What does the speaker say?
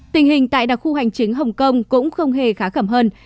tình hình tại đặc khu hành chính hồng kông cũng không hề khá khẩm hơn